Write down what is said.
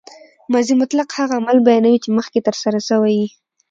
ماضي مطلق هغه عمل بیانوي، چي مخکښي ترسره سوی يي.